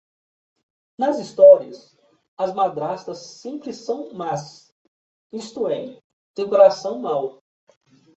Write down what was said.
Nas histórias, as madrastas sempre são más, isto é, têm o coração mau.